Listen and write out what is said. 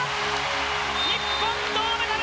日本銅メダル！